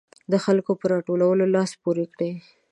د خلکو په راټولولو لاس پورې کړي.